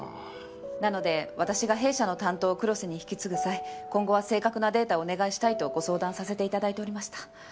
なので私が弊社の担当を黒瀬に引き継ぐ際今後は正確なデータをお願いしたいとご相談させて頂いておりました。